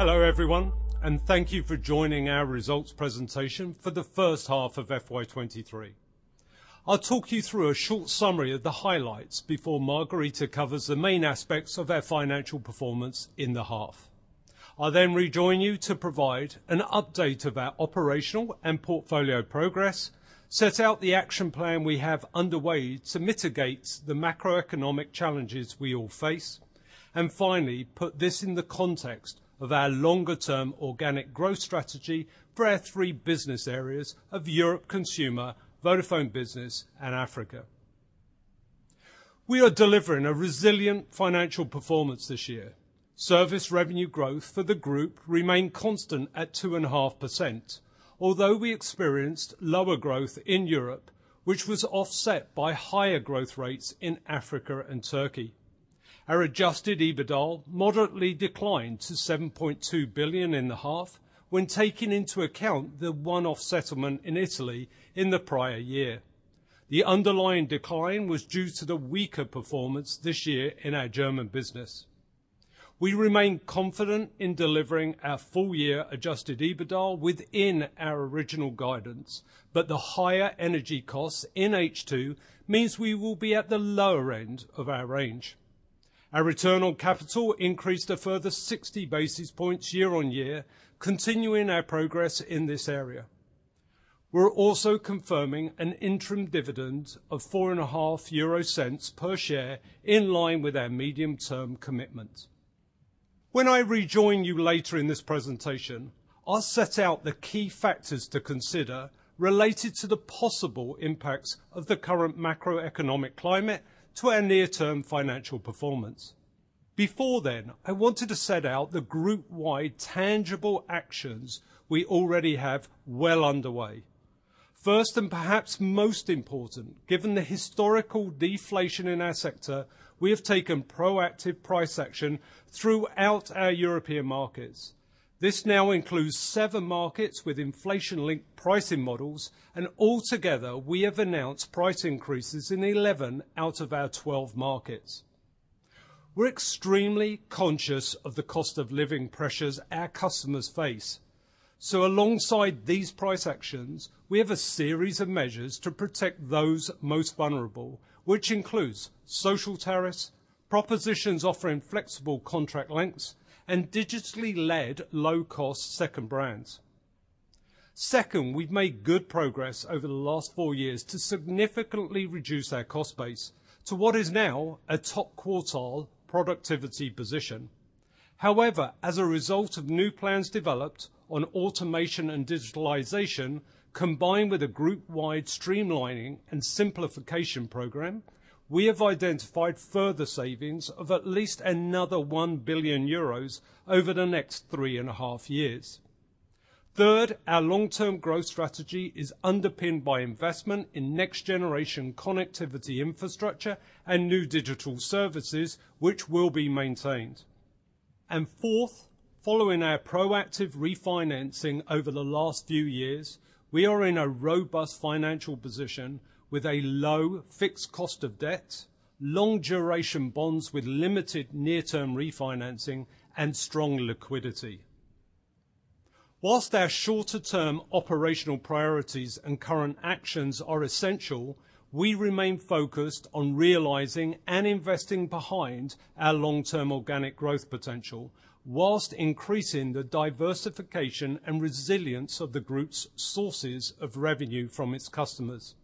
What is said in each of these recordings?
Hello everyone, and thank you for joining our Results Presentation for the First Half of FY23. I'll talk you through a short summary of the highlights before Margherita covers the main aspects of our financial performance in the half. I'll then rejoin you to provide an update of our operational and portfolio progress, set out the action plan we have underway to mitigate the macroeconomic challenges we all face, and finally, put this in the context of our longer term organic growth strategy for our three business areas of Europe Consumer, Vodafone Business, and Africa. We are delivering a resilient financial performance this year. Service revenue growth for the group remained constant at 2.5%, although we experienced lower growth in Europe, which was offset by higher growth rates in Africa and Turkey. Our adjusted EBITDA moderately declined to 7.2 billion in the half, when taking into account the one-off settlement in Italy in the prior year. The underlying decline was due to the weaker performance this year in our German business. We remain confident in delivering our full-year adjusted EBITDA within our original guidance, but the higher energy costs in H2 mean we will be at the lower end of our range. Our return on capital increased by a further 60 basis points year-on-year, continuing our progress in this area. We're also confirming an interim dividend of 0.045 per share, in line with our medium-term commitment. When I rejoin you later in this presentation, I'll set out the key factors to consider related to the possible impacts of the current macroeconomic climate on our near-term financial performance. Before then, I wanted to set out the group-wide tangible actions we already have well underway. First, and perhaps most important, given the historical deflation in our sector, we have taken proactive price action throughout our European markets. This now includes seven markets with inflation-linked pricing models, and altogether, we have announced price increases in 11 out of our 12 markets. We're extremely conscious of the cost-of-living pressures our customers face, so alongside these price actions, we have a series of measures to protect those most vulnerable, which includes social tariffs, propositions offering flexible contract lengths, and digitally-led low-cost second brands. Second, we've made good progress over the last four years to significantly reduce our cost base to what is now a top-quartile productivity position. However, as a result of new plans developed on automation and digitalization, combined with a group-wide streamlining and simplification program, we have identified further savings of at least another 1 billion euros over the next 3.5 years. Third, our long-term growth strategy is underpinned by investment in next-generation connectivity infrastructure and new digital services, which will be maintained. Fourth, following our proactive refinancing over the last few years, we are in a robust financial position with a low fixed cost of debt, long-duration bonds with limited near-term refinancing, and strong liquidity. Whilst our shorter-term operational priorities and current actions are essential, we remain focused on realizing and investing behind our long-term organic growth potential, whilst increasing the diversification and resilience of the group's sources of revenue from its customers.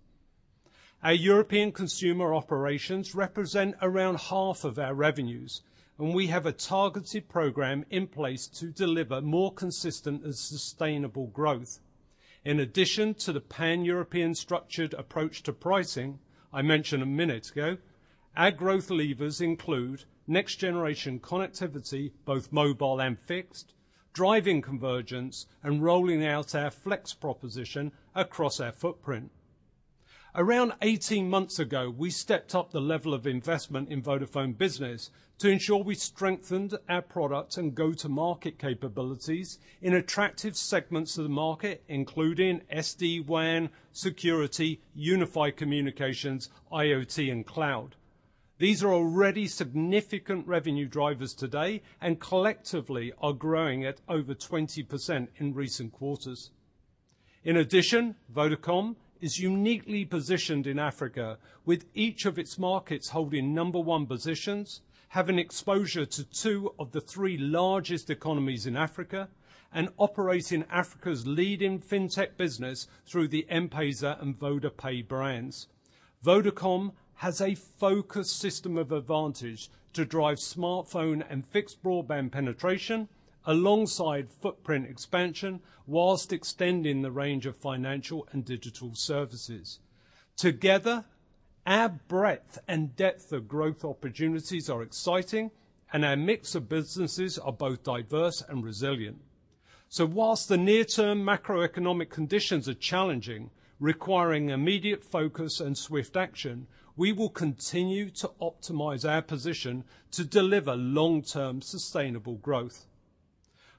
Our European consumer operations represent around half of our revenues, and we have a targeted program in place to deliver more consistent and sustainable growth. In addition to the pan-European structured approach to pricing I mentioned a minute ago, our growth levers include next-generation connectivity, both mobile and fixed, driving convergence, and rolling out our flex proposition across our footprint. Around 18 months ago, we stepped up the level of investment in Vodafone Business to ensure we strengthened our product and go-to-market capabilities in attractive segments of the market, including SD-WAN, security, unified communications, IoT, and cloud. These are already significant revenue drivers today and collectively are growing at over 20% in recent quarters. In addition, Vodacom is uniquely positioned in Africa, with each of its markets holding number one positions, having exposure to two of the three largest economies in Africa, and operating Africa's leading fintech business through the M-PESA and VodaPay brands. Vodacom has a focused system of advantage to drive smartphone and fixed broadband penetration alongside footprint expansion while extending the range of financial and digital services. Together, our breadth and depth of growth opportunities are exciting, and our mix of businesses are both diverse and resilient. While the near-term macroeconomic conditions are challenging, requiring immediate focus and swift action, we will continue to optimize our position to deliver long-term sustainable growth.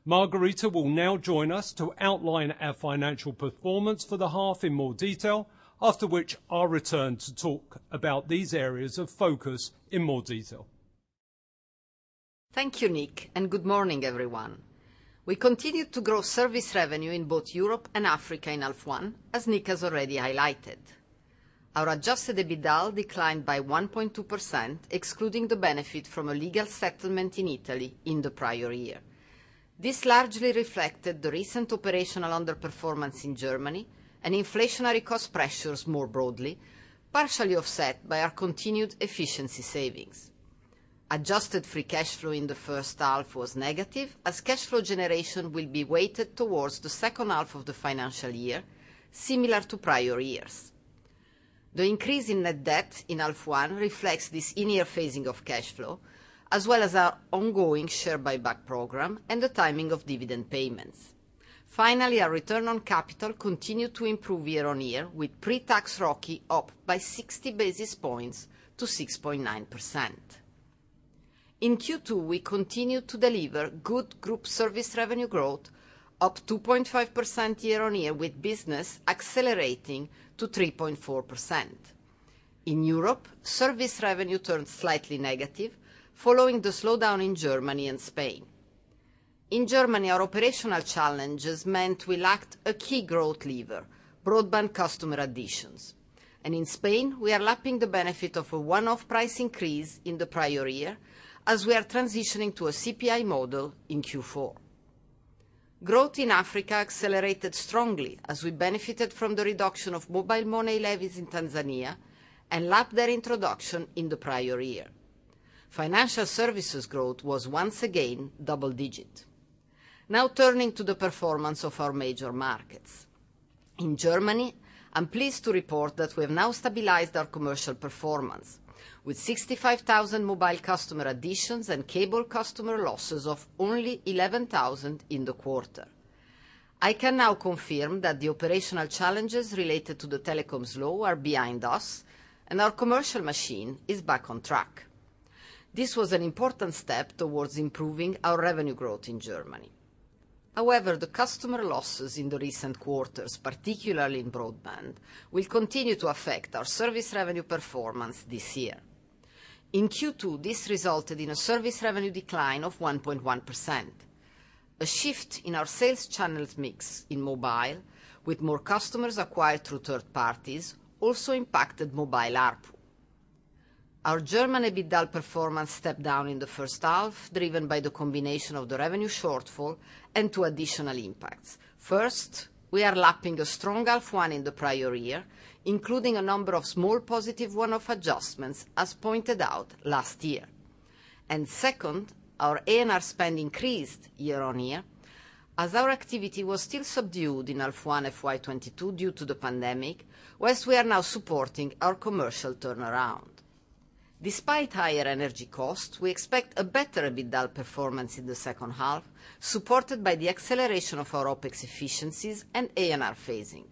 Margherita will now join us to outline our financial performance for the half in more detail, after which I'll return to talk about these areas of focus in more detail. Thank you, Nick, and good morning, everyone. We continued to grow service revenue in both Europe and Africa in H1, as Nick has already highlighted. Our adjusted EBITDA declined by 1.2%, excluding the benefit from a legal settlement in Italy in the prior year. This largely reflected the recent operational underperformance in Germany and inflationary cost pressures more broadly, partially offset by our continued efficiency savings. Adjusted free cash flow in the first half was negative, as cash flow generation will be weighted towards the second half of the financial year, similar to prior years. The increase in net debt in H1 reflects this in-year phasing of cash flow, as well as our ongoing share buyback program and the timing of dividend payments. Finally, our return on capital continued to improve year-on-year, with pre-tax ROCE up by 60 basis points to 6.9%. In Q2, we continued to deliver good group service revenue growth, up 2.5% year-on-year, with business accelerating to 3.4%. In Europe, service revenue turned slightly negative following the slowdown in Germany and Spain. In Germany, our operational challenges meant we lacked a key growth lever, broadband customer additions. In Spain, we are lapping the benefit of a one-off price increase in the prior year as we are transitioning to a CPI model in Q4. Growth in Africa accelerated strongly as we benefited from the reduction of mobile money levies in Tanzania and lapped their introduction in the prior year. Financial services growth was once again double digits. Now turning to the performance of our major markets. In Germany, I'm pleased to report that we have now stabilized our commercial performance, with 65,000 mobile customer additions and cable customer losses of only 11,000 in the quarter. I can now confirm that the operational challenges related to the telecoms law are behind us, and our commercial machine is back on track. This was an important step towards improving our revenue growth in Germany. However, the customer losses in the recent quarters, particularly in broadband, will continue to affect our service revenue performance this year. In Q2, this resulted in a service revenue decline of 1.1%. A shift in our sales channels mix in mobile, with more customers acquired through third parties, also impacted mobile ARPU. Our Germany EBITDA performance stepped down in the first half, driven by the combination of the revenue shortfall and two additional impacts. First, we are lapping a strong H1 in the prior year, including a number of small positive one-off adjustments, as pointed out last year. Second, our ANR spend increased year-on-year, as our activity was still subdued in H1 FY22 due to the pandemic, while we are now supporting our commercial turnaround. Despite higher energy costs, we expect a better EBITDA performance in the second half, supported by the acceleration of our OpEx efficiencies and ANR phasing.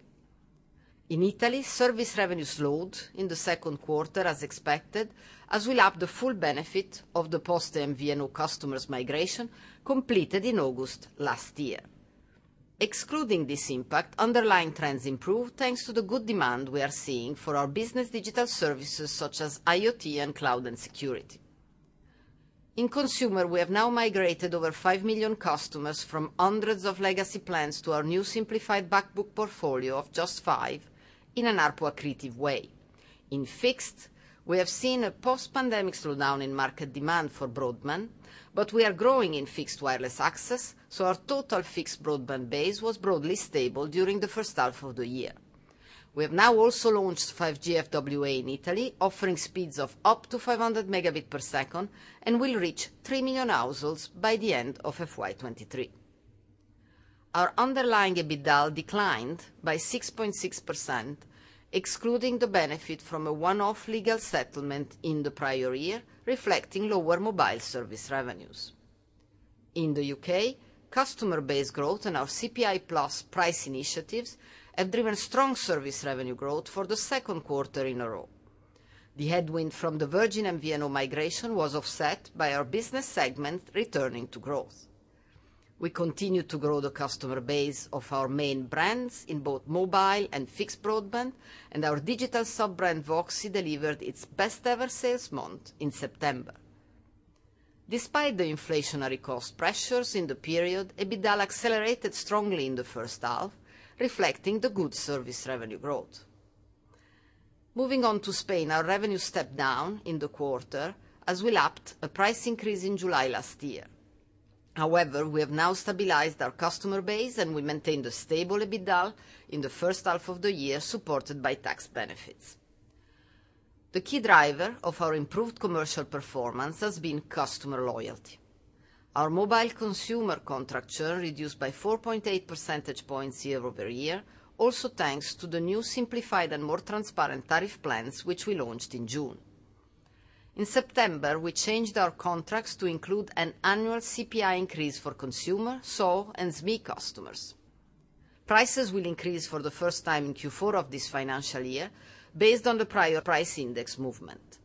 In Italy, service revenue slowed in the second quarter as expected, as we lapped the full benefit of the post-MVNO customers migration completed in August last year. Excluding this impact, underlying trends improved, thanks to the good demand we are seeing for our business digital services, such as IoT and cloud and security. In consumer, we have now migrated over 5 million customers from hundreds of legacy plans to our new simplified back book portfolio of just 5 in an ARPU-accretive way. In fixed, we have seen a post-pandemic slowdown in market demand for broadband, but we are growing in fixed wireless access, so our total fixed broadband base was broadly stable during the first half of the year. We have now also launched 5G FWA in Italy, offering speeds of up to 500 Mbps, and will reach 3 million households by the end of FY 2023. Our underlying EBITDA declined by 6.6%, excluding the benefit from a one-off legal settlement in the prior year, reflecting lower mobile service revenues. In the U.K., customer base growth and our CPI-plus price initiatives have driven strong service revenue growth for the second quarter in a row. The headwind from the Virgin MVNO migration was offset by our business segment returning to growth. We continued to grow the customer base of our main brands in both mobile and fixed broadband, and our digital sub-brand, VOXI, delivered its best ever sales month in September. Despite the inflationary cost pressures in the period, EBITDA accelerated strongly in the first half, reflecting the good service revenue growth. Moving on to Spain, our revenue stepped down in the quarter as we lapped a price increase in July last year. However, we have now stabilized our customer base, and we maintained a stable EBITDA in the first half of the year, supported by tax benefits. The key driver of our improved commercial performance has been customer loyalty. Our mobile consumer contract churn reduced by 4.8 percentage points year-over-year, also thanks to the new simplified and more transparent tariff plans which we launched in June. In September, we changed our contracts to include an annual CPI increase for consumer, SoHo, and SME customers. Prices will increase for the first time in Q4 of this financial year based on the prior price index movement.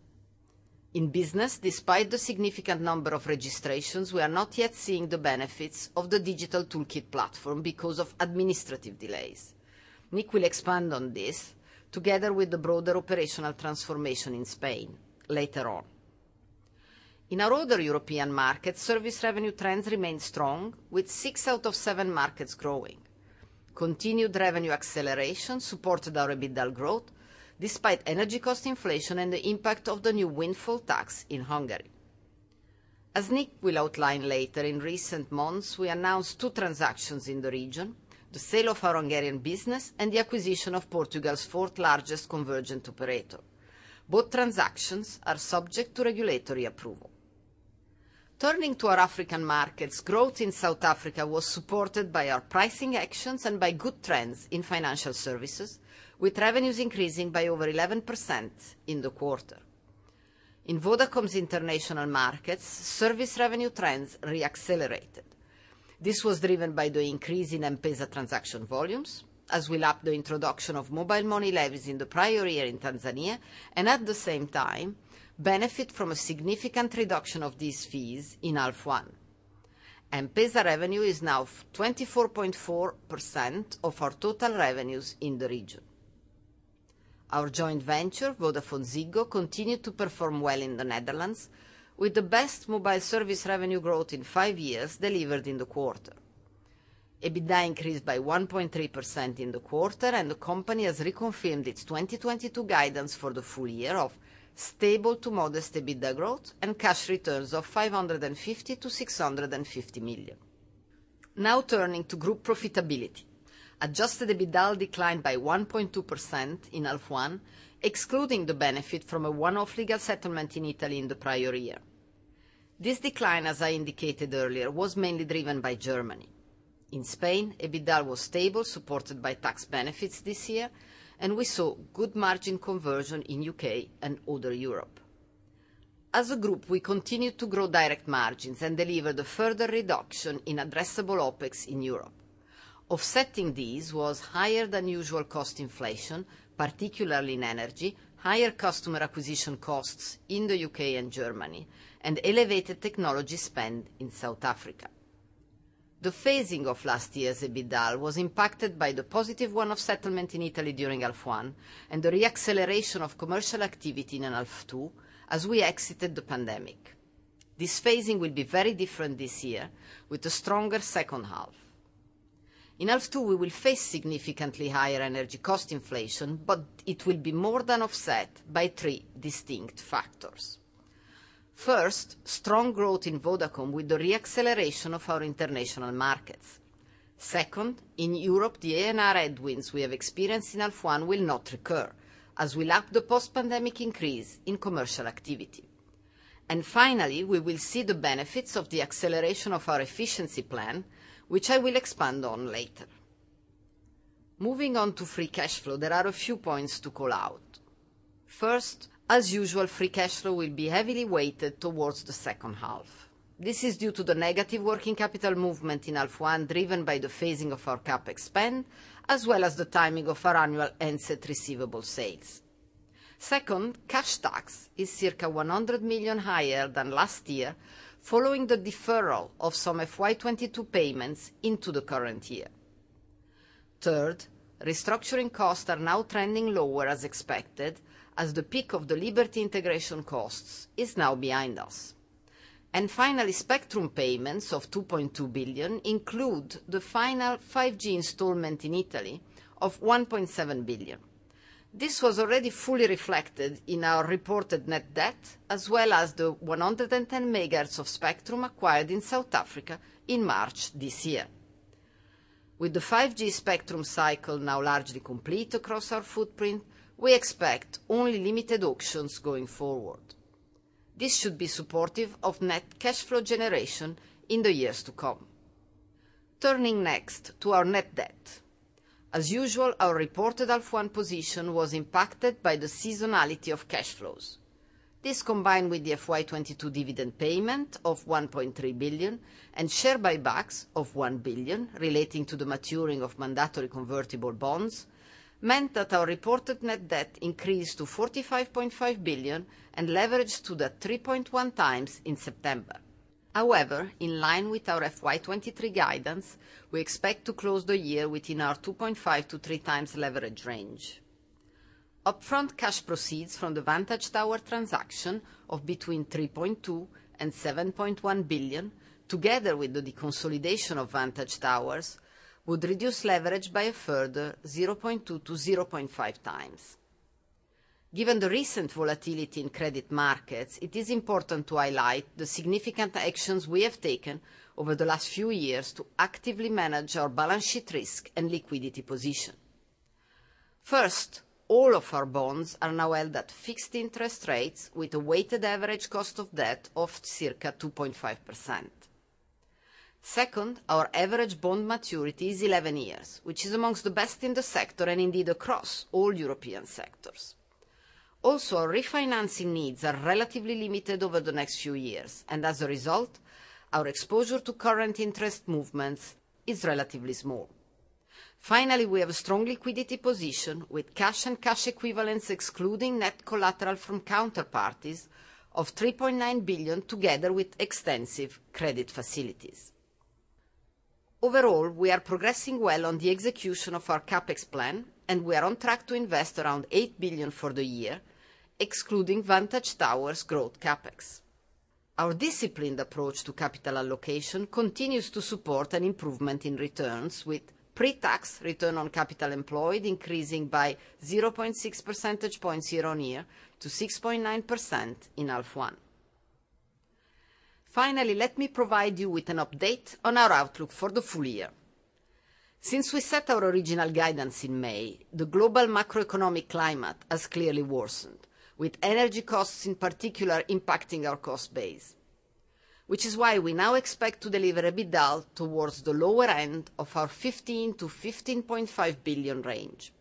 In business, despite the significant number of registrations, we are not yet seeing the benefits of the Digital Toolkit platform because of administrative delays. Nick will expand on this together with the broader operational transformation in Spain later on. In our other European markets, service revenue trends remain strong with six out of seven markets growing. Continued revenue acceleration supported our EBITDA growth despite energy cost inflation and the impact of the new windfall tax in Hungary. As Nick will outline later, in recent months, we announced two transactions in the region, the sale of our Hungarian business and the acquisition of Portugal's fourth largest convergent operator. Both transactions are subject to regulatory approval. Turning to our African markets, growth in South Africa was supported by our pricing actions and by good trends in financial services, with revenues increasing by over 11% in the quarter. In Vodafone's international markets, service revenue trends re-accelerated. This was driven by the increase in M-PESA transaction volumes, as we lap the introduction of mobile money levies in the prior year in Tanzania, and at the same time, benefit from a significant reduction of these fees in H1. M-PESA revenue is now 24.4% of our total revenues in the region. Our joint venture, VodafoneZiggo, continued to perform well in the Netherlands, with the best mobile service revenue growth in 5 years delivered in the quarter. EBITDA increased by 1.3% in the quarter, and the company has reconfirmed its 2022 guidance for the full year of stable to modest EBITDA growth and cash returns of 550 million to 650 million. Now turning to group profitability. Adjusted EBITDA declined by 1.2% in H1, excluding the benefit from a one-off legal settlement in Italy in the prior year. This decline, as I indicated earlier, was mainly driven by Germany. In Spain, EBITDA was stable, supported by tax benefits this year, and we saw good margin conversion in the U.K. and other Europe. As a group, we continued to grow direct margins and delivered a further reduction in addressable OpEx in Europe. Offsetting these was higher than usual cost inflation, particularly in energy, higher customer acquisition costs in the U.K. and Germany, and elevated technology spend in South Africa. The phasing of last year's EBITDA was impacted by the positive one-off settlement in Italy during H1 and the re-acceleration of commercial activity in H2 as we exited the pandemic. This phasing will be very different this year with a stronger second half. In H2, we will face significantly higher energy cost inflation, but it will be more than offset by three distinct factors. First, strong growth in Vodafone with the re-acceleration of our international markets. Second, in Europe, the ANR headwinds we have experienced in H1 will not recur as we lap the post-pandemic increase in commercial activity. Finally, we will see the benefits of the acceleration of our efficiency plan, which I will expand on later. Moving on to free cash flow, there are a few points to call out. First, as usual, free cash flow will be heavily weighted towards the second half. This is due to the negative working capital movement in H1, driven by the phasing of our CapEx spend, as well as the timing of our annual inset receivable sales. Second, cash tax is circa 100 million higher than last year following the deferral of some FY22 payments into the current year. Third, restructuring costs are now trending lower as expected, as the peak of the Liberty integration costs is now behind us. Finally, spectrum payments of 2.2 billion include the final 5G installment in Italy of 1.7 billion. This was already fully reflected in our reported net debt, as well as the 110 MHz of spectrum acquired in South Africa in March this year. With the 5G spectrum cycle now largely complete across our footprint, we expect only limited auctions going forward. This should be supportive of net cash flow generation in the years to come. Turning next to our net debt. As usual, our reported H1 position was impacted by the seasonality of cash flows. This combined with the FY22 dividend payment of 1.3 billion and share buybacks of 1 billion relating to the maturing of mandatory convertible bonds, meant that our reported net debt increased to 45.5 billion and leverage to 3.1x in September. However, in line with our FY23 guidance, we expect to close the year within our 2.5x-3x leverage range. Upfront cash proceeds from the Vantage Towers transaction of between 3.2 billion and 7.1 billion, together with the deconsolidation of Vantage Towers, would reduce leverage by a further 0.2x-0.5x. Given the recent volatility in credit markets, it is important to highlight the significant actions we have taken over the last few years to actively manage our balance sheet risk and liquidity position. First, all of our bonds are now held at fixed interest rates with a weighted average cost of debt of circa 2.5%. Second, our average bond maturity is 11 years, which is among the best in the sector and indeed across all European sectors. Also, our refinancing needs are relatively limited over the next few years, and as a result, our exposure to current interest movements is relatively small. Finally, we have a strong liquidity position with cash and cash equivalents, excluding net collateral from counterparties of 3.9 billion, together with extensive credit facilities. Overall, we are progressing well on the execution of our CapEx plan, and we are on track to invest around 8 billion for the year, excluding Vantage Towers' growth CapEx. Our disciplined approach to capital allocation continues to support an improvement in returns, with pre-tax return on capital employed increasing by 0.6 percentage points year-on-year to 6.9% in H1. Finally, let me provide you with an update on our outlook for the full year. Since we set our original guidance in May, the global macroeconomic climate has clearly worsened, with energy costs in particular impacting our cost base. Which is why we now expect to deliver EBITDA towards the lower end of our 15 billion to 15.5 billion range.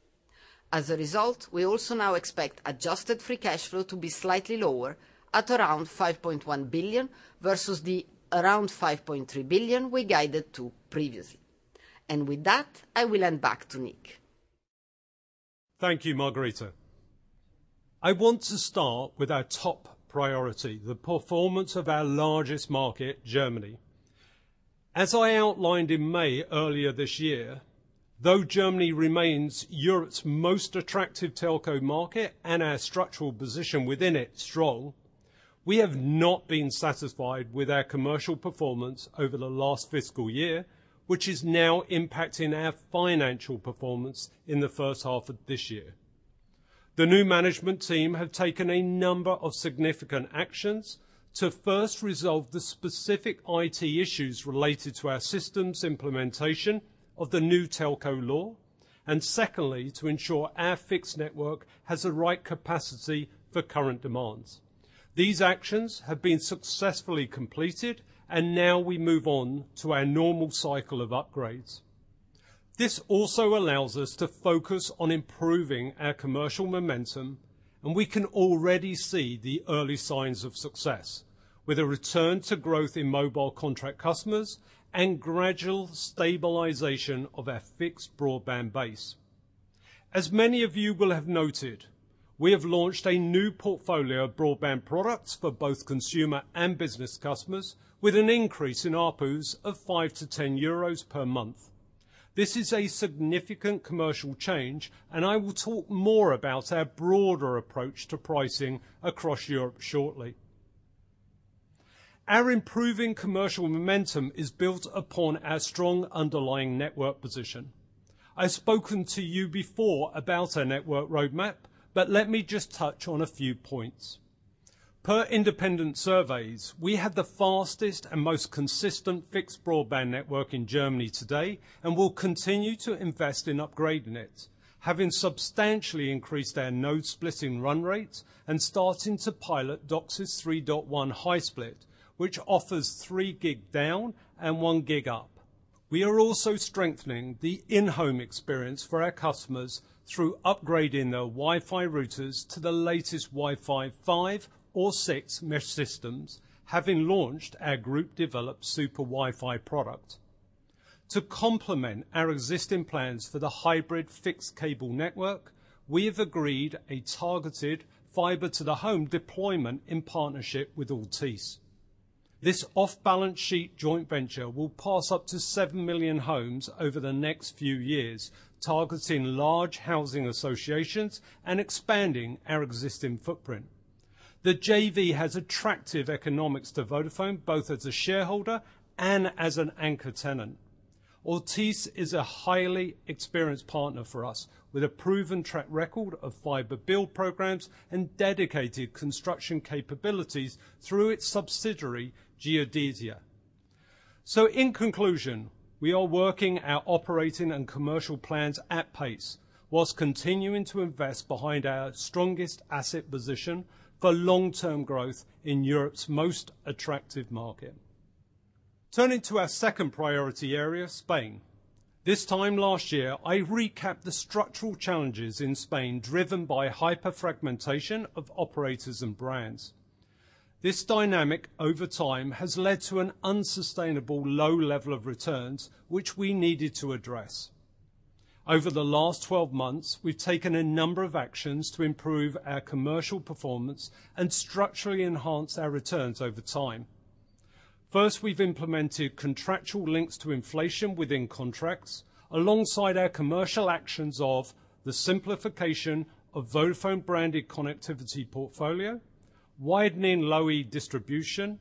As a result, we also now expect adjusted free cash flow to be slightly lower at around 5.1 billion versus the around 5.3 billion we guided to previously. With that, I will hand back to Nick. Thank you, Margherita. I want to start with our top priority, the performance of our largest market, Germany. As I outlined in May earlier this year, though Germany remains Europe's most attractive telco market and our structural position within it strong, we have not been satisfied with our commercial performance over the last fiscal year, which is now impacting our financial performance in the first half of this year. The new management team have taken a number of significant actions to first resolve the specific IT issues related to our systems implementation of the new telco law, and secondly, to ensure our fixed network has the right capacity for current demands. These actions have been successfully completed, and now we move on to our normal cycle of upgrades. This also allows us to focus on improving our commercial momentum, and we can already see the early signs of success, with a return to growth in mobile contract customers and gradual stabilization of our fixed broadband base. As many of you will have noted, we have launched a new portfolio of broadband products for both consumer and business customers with an increase in ARPU of 5 to 10 euros per month. This is a significant commercial change, and I will talk more about our broader approach to pricing across Europe shortly. Our improving commercial momentum is built upon our strong underlying network position. I've spoken to you before about our network roadmap, but let me just touch on a few points. Per independent surveys, we have the fastest and most consistent fixed broadband network in Germany today and will continue to invest in upgrading it, having substantially increased our node splitting run rates and starting to pilot DOCSIS 3.1 High Split, which offers 3G down and 1G up. We are also strengthening the in-home experience for our customers through upgrading their Wi-Fi routers to the latest Wi-Fi 5 or 6 mesh systems, having launched our group-developed Super Wi-Fi product. To complement our existing plans for the hybrid fixed cable network, we have agreed a targeted fiber to the home deployment in partnership with Altice. This off-balance sheet joint venture will pass up to 7 million homes over the next few years, targeting large housing associations and expanding our existing footprint. The JV has attractive economics to Vodafone, both as a shareholder and as an anchor tenant. Altice is a highly experienced partner for us with a proven track record of fiber build programs and dedicated construction capabilities through its subsidiary, Geodesia. In conclusion, we are working our operating and commercial plans at pace while continuing to invest behind our strongest asset position for long-term growth in Europe's most attractive market. Turning to our second priority area, Spain. This time last year, I recapped the structural challenges in Spain driven by hyper fragmentation of operators and brands. This dynamic over time has led to an unsustainable low level of returns, which we needed to address. Over the last 12 months, we've taken a number of actions to improve our commercial performance and structurally enhance our returns over time. First, we've implemented contractual links to inflation within contracts alongside our commercial actions of the simplification of Vodafone-branded connectivity portfolio, widening low distribution,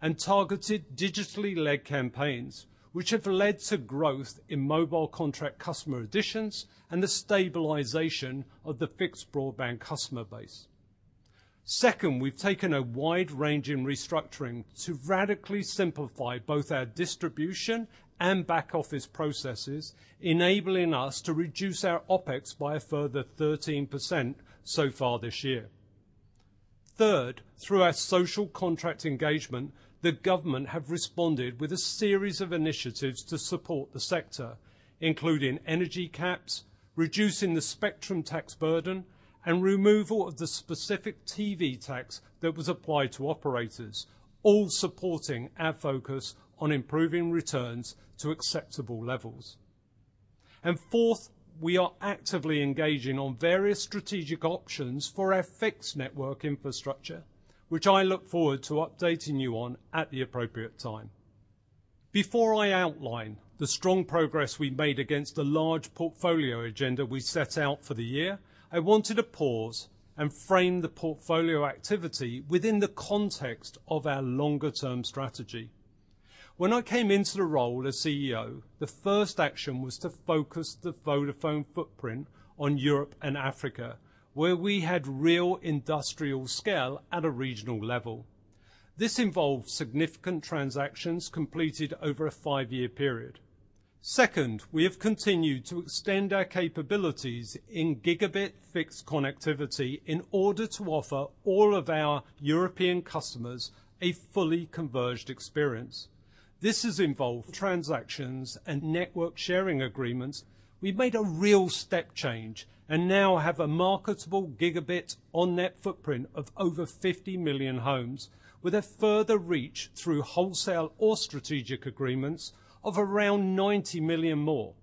and targeted digitally led campaigns, which have led to growth in mobile contract customer additions and the stabilization of the fixed broadband customer base. Second, we've taken a wide range in restructuring to radically simplify both our distribution and back-office processes, enabling us to reduce our OpEx by a further 13% so far this year. Third, through our social contract engagement, the government have responded with a series of initiatives to support the sector, including energy caps, reducing the spectrum tax burden, and removal of the specific TV tax that was applied to operators, all supporting our focus on improving returns to acceptable levels. Fourth, we are actively engaging on various strategic options for our fixed network infrastructure, which I look forward to updating you on at the appropriate time. Before I outline the strong progress we've made against the large portfolio agenda we set out for the year, I wanted to pause and frame the portfolio activity within the context of our longer-term strategy. When I came into the role as CEO, the first action was to focus the Vodafone footprint on Europe and Africa, where we had real industrial scale at a regional level. This involved significant transactions completed over a five-year period. Second, we have continued to extend our capabilities in gigabit fixed connectivity in order to offer all of our European customers a fully converged experience. This has involved transactions and network sharing agreements. We've made a real step change, and now have a marketable gigabit on net footprint of over 50 million homes, with a further reach through wholesale or strategic agreements of around 90 million more,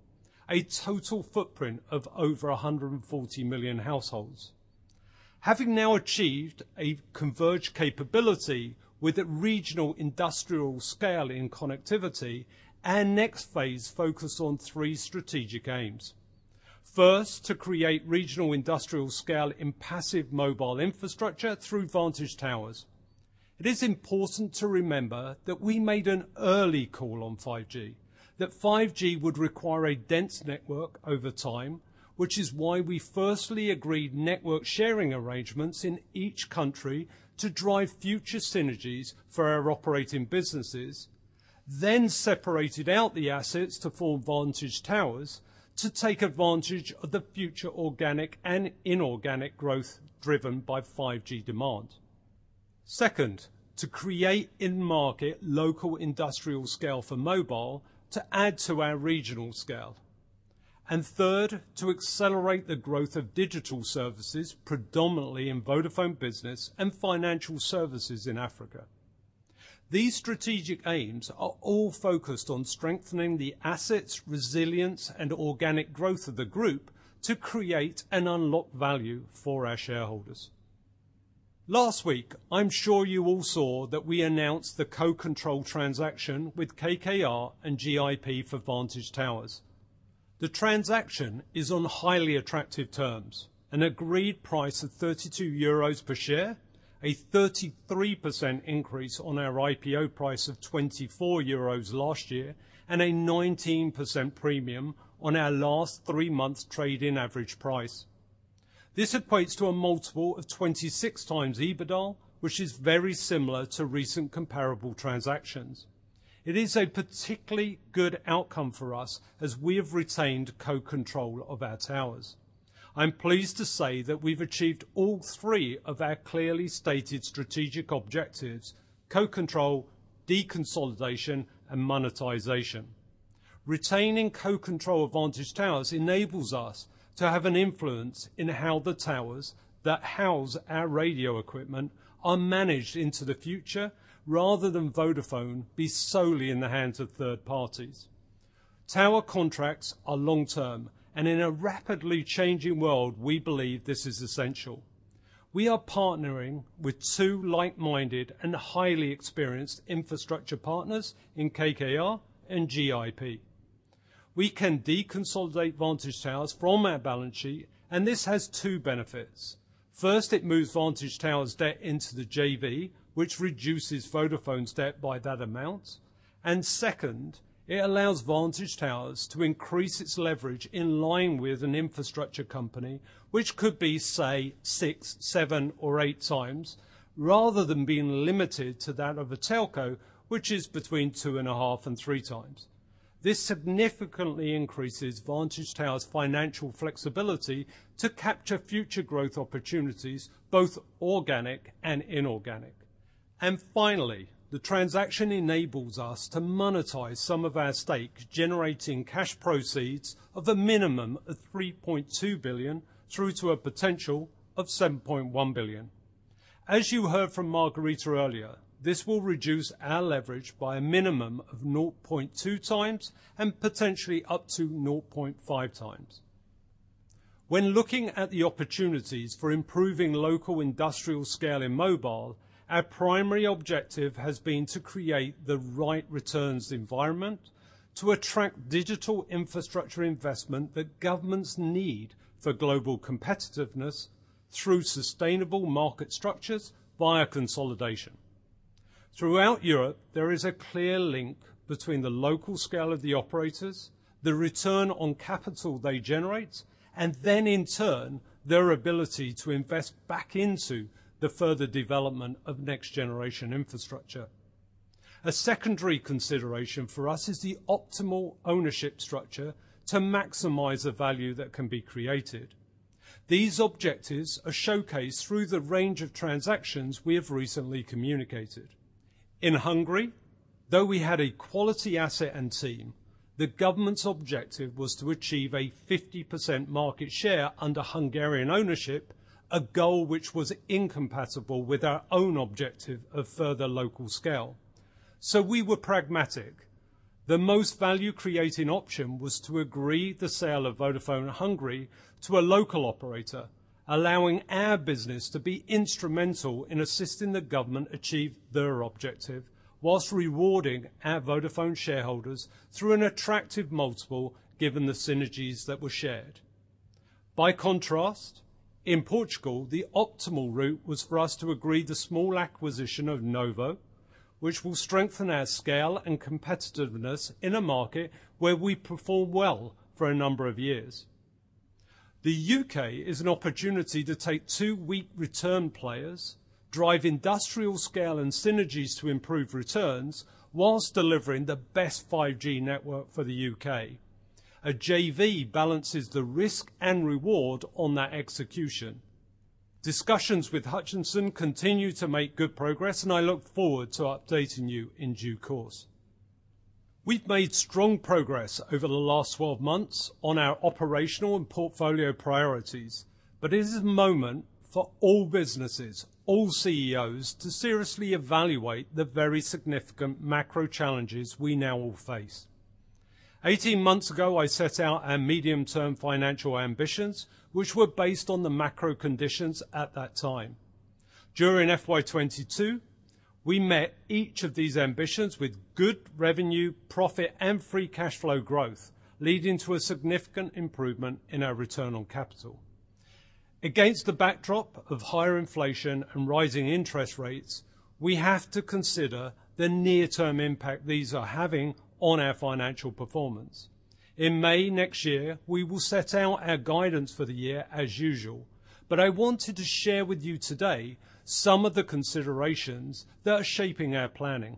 a total footprint of over 140 million households. Having now achieved a converged capability with a regional industrial scale in connectivity, our next phase focus on three strategic aims. First, to create regional industrial scale in passive mobile infrastructure through Vantage Towers. It is important to remember that we made an early call on 5G, that 5G would require a dense network over time, which is why we firstly agreed network sharing arrangements in each country to drive future synergies for our operating businesses, then separated out the assets to form Vantage Towers to take advantage of the future organic and inorganic growth driven by 5G demand. Second, to create in-market local industrial scale for mobile to add to our regional scale. Third, to accelerate the growth of digital services, predominantly in Vodafone Business and Financial Services in Africa. These strategic aims are all focused on strengthening the assets, resilience, and organic growth of the group to create and unlock value for our shareholders. Last week, I'm sure you all saw that we announced the co-control transaction with KKR and GIP for Vantage Towers. The transaction is on highly attractive terms, an agreed price of 32 euros per share, a 33% increase on our IPO price of 24 euros last year, and a 19% premium on our last 3-month trading average price. This equates to a multiple of 26x EBITDA, which is very similar to recent comparable transactions. It is a particularly good outcome for us, as we have retained co-control of our towers. I'm pleased to say that we've achieved all three of our clearly stated strategic objectives, control, deconsolidation, and monetization. Retaining co-control of Vantage Towers enables us to have an influence in how the towers that house our radio equipment are managed into the future rather than Vodafone be solely in the hands of third parties. Tower contracts are long-term, and in a rapidly changing world, we believe this is essential. We are partnering with two like-minded and highly experienced infrastructure partners in KKR and GIP. We can deconsolidate Vantage Towers from our balance sheet, and this has two benefits. First, it moves Vantage Towers' debt into the JV, which reduces Vodafone's debt by that amount. Second, it allows Vantage Towers to increase its leverage in line with an infrastructure company, which could be, say, 6x, 7x, or 8x, rather than being limited to that of a telco, which is between 2.5x and 3x. This significantly increases Vantage Towers' financial flexibility to capture future growth opportunities, both organic and inorganic. Finally, the transaction enables us to monetize some of our stake, generating cash proceeds of a minimum of 3.2 billion through to a potential of 7.1 billion. As you heard from Margherita earlier, this will reduce our leverage by a minimum of 0.2x and potentially up to 0.5x. When looking at the opportunities for improving local industrial scale in mobile, our primary objective has been to create the right returns environment to attract digital infrastructure investment that governments need for global competitiveness through sustainable market structures via consolidation. Throughout Europe, there is a clear link between the local scale of the operators, the return on capital they generate, and then in turn, their ability to invest back into the further development of next-generation infrastructure. A secondary consideration for us is the optimal ownership structure to maximize the value that can be created. These objectives are showcased through the range of transactions we have recently communicated. In Hungary, though we had a quality asset and team, the government's objective was to achieve a 50% market share under Hungarian ownership, a goal which was incompatible with our own objective of further local scale. We were pragmatic. The most value-creating option was to agree the sale of Vodafone Hungary to a local operator, allowing our business to be instrumental in assisting the government achieve their objective while rewarding our Vodafone shareholders through an attractive multiple given the synergies that were shared. By contrast, in Portugal, the optimal route was for us to agree on the small acquisition of Nowo, which will strengthen our scale and competitiveness in a market where we have performed well for a number of years. The U.K. is an opportunity to take two weak return players, drive industrial scale and synergies to improve returns, while delivering the best 5G network for the U.K.. A JV balances the risk and reward on that execution. Discussions with Hutchison continue to make good progress, and I look forward to updating you in due course. We've made strong progress over the last 12 months on our operational and portfolio priorities, but it is a moment for all businesses, all CEOs, to seriously evaluate the very significant macro challenges we now all face. 18 months ago, I set out our medium-term financial ambitions, which were based on the macro conditions at that time. During FY22, we met each of these ambitions with good revenue, profit, and free cash flow growth, leading to a significant improvement in our return on capital. Against the backdrop of higher inflation and rising interest rates, we have to consider the near-term impact these are having on our financial performance. In May next year, we will set out our guidance for the year as usual, but I wanted to share with you today some of the considerations that are shaping our planning.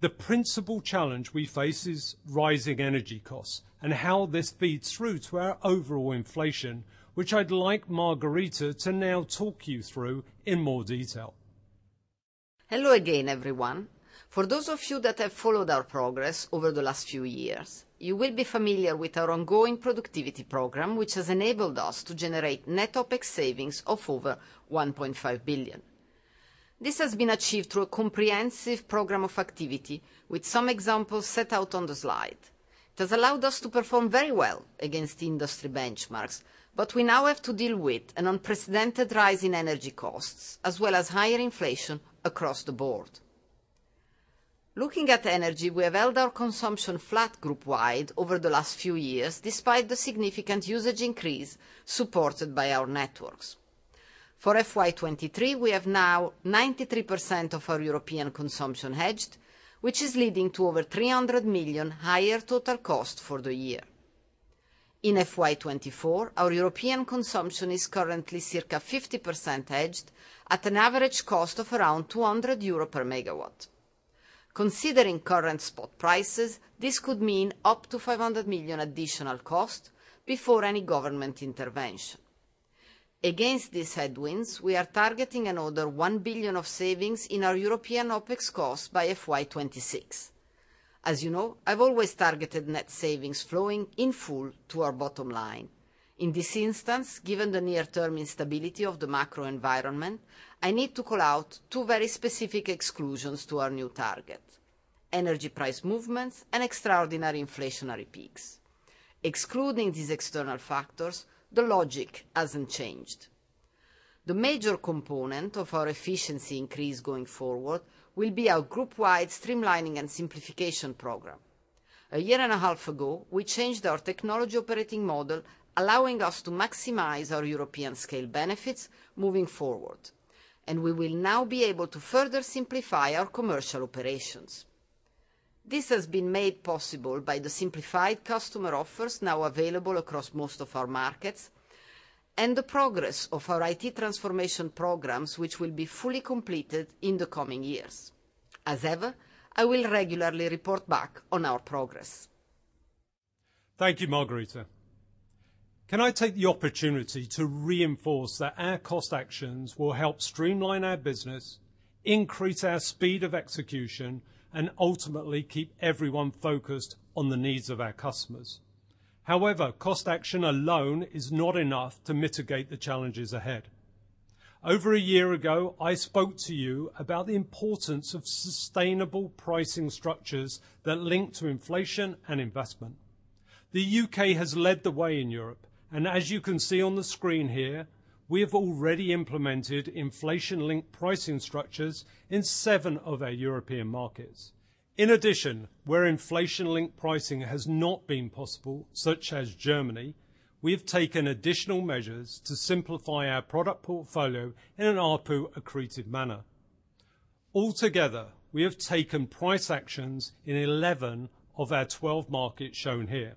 The principal challenge we face is rising energy costs and how this feeds through to our overall inflation, which I'd like Margherita to now talk you through in more detail. Hello again, everyone. For those of you that have followed our progress over the last few years, you will be familiar with our ongoing productivity program, which has enabled us to generate net OpEx savings of over 1.5 billion. This has been achieved through a comprehensive program of activity with some examples set out on the slide. It has allowed us to perform very well against industry benchmarks, but we now have to deal with an unprecedented rise in energy costs, as well as higher inflation across the board. Looking at energy, we have held our consumption flat group wide over the last few years, despite the significant usage increase supported by our networks. For FY23, we have now 93% of our European consumption hedged, which is leading to over 300 million higher total cost for the year. In FY24, our European consumption is currently circa 50% hedged at an average cost of around 200 euro per MW. Considering current spot prices, this could mean up to 500 million additional cost before any government intervention. Against these headwinds, we are targeting another 1 billion of savings in our European OpEx costs by FY26. As you know, I've always targeted net savings flowing in full to our bottom line. In this instance, given the near-term instability of the macro environment, I need to call out two very specific exclusions to our new target, energy price movements and extraordinary inflationary peaks. Excluding these external factors, the logic hasn't changed. The major component of our efficiency increase going forward will be our group-wide streamlining and simplification program. A year and a half ago, we changed our technology operating model, allowing us to maximize our European scale benefits moving forward, and we will now be able to further simplify our commercial operations. This has been made possible by the simplified customer offers now available across most of our markets and the progress of our IT transformation programs, which will be fully completed in the coming years. As ever, I will regularly report back on our progress. Thank you, Margherita. Can I take the opportunity to reinforce that our cost actions will help streamline our business, increase our speed of execution, and ultimately keep everyone focused on the needs of our customers? However, cost action alone is not enough to mitigate the challenges ahead. Over a year ago, I spoke to you about the importance of sustainable pricing structures that link to inflation and investment. The U.K. has led the way in Europe, and as you can see on the screen here, we have already implemented inflation-linked pricing structures in seven of our European markets. In addition, where inflation-linked pricing has not been possible, such as Germany, we have taken additional measures to simplify our product portfolio in an ARPU-accreted manner. Altogether, we have taken price actions in 11 of our 12 markets shown here.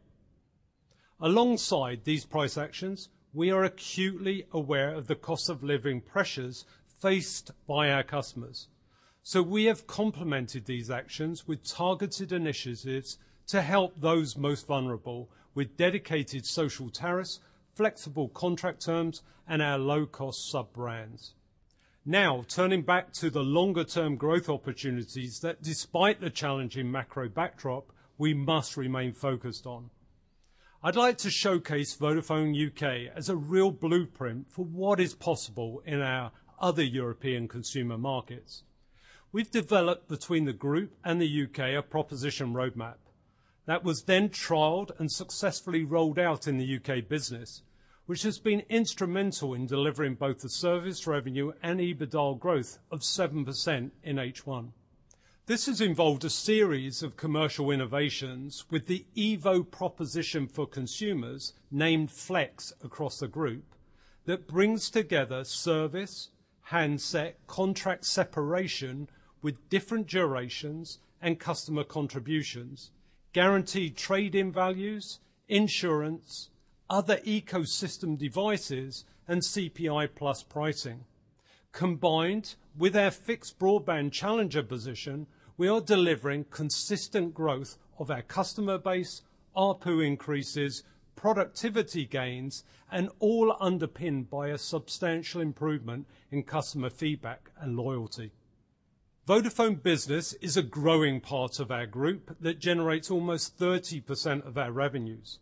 Alongside these price actions, we are acutely aware of the cost-of-living pressures faced by our customers. We have complemented these actions with targeted initiatives to help those most vulnerable with dedicated social tariffs, flexible contract terms, and our low-cost sub-brands. Now, turning back to the longer-term growth opportunities that, despite the challenging macro backdrop, we must remain focused on. I'd like to showcase Vodafone U.K. as a real blueprint for what is possible in our other European consumer markets. We've developed between the group and the U.K. a proposition roadmap that was then trialed and successfully rolled out in the U.K. business, which has been instrumental in delivering both the service revenue and EBITDA growth of 7% in H1. This has involved a series of commercial innovations with the EVO proposition for consumers, named Flex across the group, that brings together service, handset, contract separation with different durations and customer contributions, guaranteed trade-in values, insurance, other ecosystem devices, and CPI-plus pricing. Combined with our fixed broadband challenger position, we are delivering consistent growth of our customer base, ARPU increases, productivity gains, and all underpinned by a substantial improvement in customer feedback and loyalty. Vodafone Business is a growing part of our group that generates almost 30% of our revenues.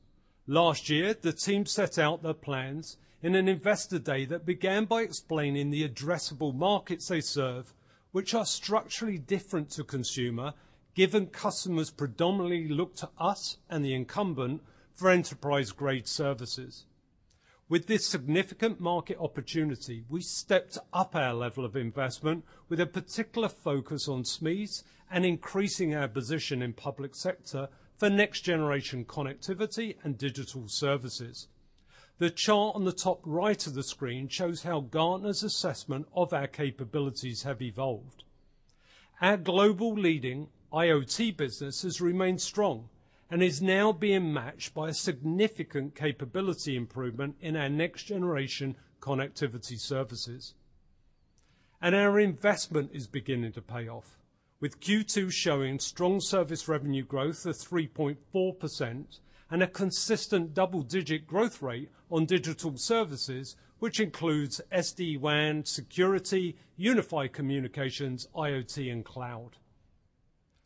Last year, the team set out their plans in an Investor Day that began by explaining the addressable markets they serve, which are structurally different to consumer, given customers predominantly look to us and the incumbent for enterprise-grade services. With this significant market opportunity, we stepped up our level of investment with a particular focus on SMEs and increasing our position in public sector for next-generation connectivity and digital services. The chart on the top right of the screen shows how Gartner's assessment of our capabilities have evolved. Our global leading IoT business has remained strong and is now being matched by a significant capability improvement in our next-generation connectivity services. Our investment is beginning to pay off, with Q2 showing strong service revenue growth of 3.4% and a consistent double-digit growth rate on digital services, which includes SD-WAN, security, unified communications, IoT, and cloud.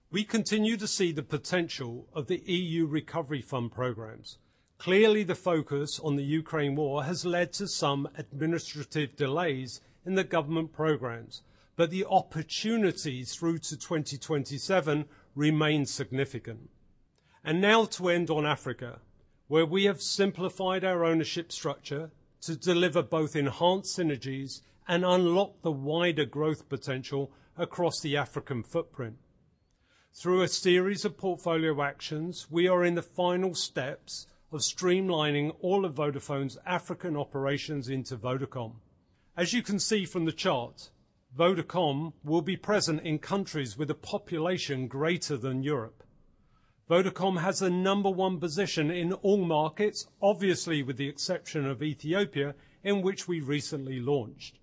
We continue to see the potential of the EU Recovery Fund programs. Clearly, the focus on the Ukraine war has led to some administrative delays in the government programs, but the opportunities through to 2027 remain significant. Now to end on Africa, where we have simplified our ownership structure to deliver both enhanced synergies and unlock the wider growth potential across the African footprint. Through a series of portfolio actions, we are in the final steps of streamlining all of Vodafone's African operations into Vodacom. As you can see from the chart, Vodacom will be present in countries with a population greater than Europe. Vodacom has a number one position in all markets, obviously with the exception of Ethiopia, in which we recently launched.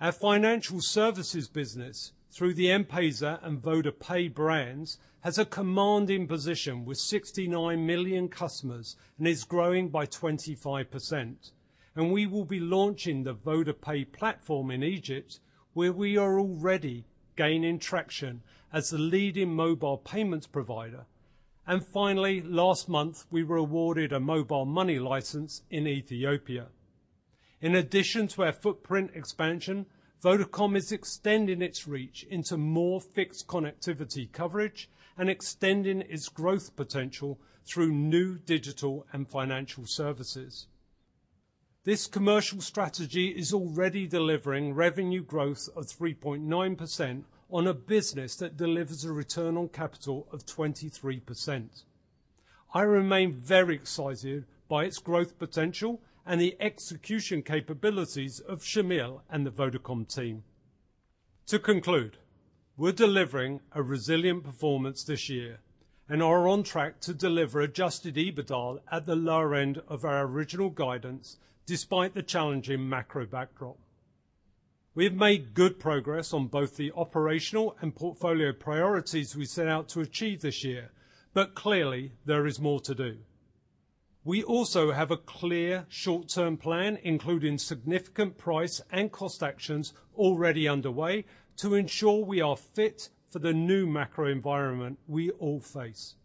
Our financial services business, through the M-PESA and VodaPay brands, has a commanding position with 69 million customers and is growing by 25%. We will be launching the VodaPay platform in Egypt, where we are already gaining traction as the leading mobile payments provider. Finally, last month, we were awarded a mobile money license in Ethiopia. In addition to our footprint expansion, Vodacom is extending its reach into more fixed connectivity coverage and extending its growth potential through new digital and financial services. This commercial strategy is already delivering revenue growth of 3.9% on a business that delivers a return on capital of 23%. I remain very excited by its growth potential and the execution capabilities of Shameel and the Vodacom team. To conclude, we're delivering a resilient performance this year and are on track to deliver adjusted EBITDA at the lower end of our original guidance despite the challenging macro backdrop. We have made good progress on both the operational and portfolio priorities we set out to achieve this year, but clearly there is more to do. We also have a clear short-term plan, including significant price and cost actions already underway, to ensure we are fit for the new macro environment we all face.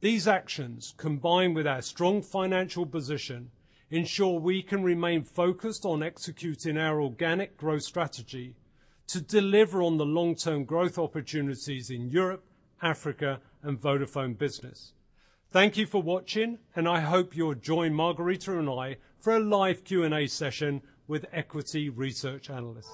These actions, combined with our strong financial position, ensure we can remain focused on executing our organic growth strategy to deliver on the long-term growth opportunities in Europe, Africa, and Vodafone Business. Thank you for watching, and I hope you'll join Margherita and I for a live Q&A session with Equity Research Analysts.